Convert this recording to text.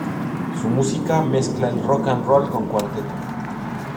Su música mezcla el rock and roll con cuarteto.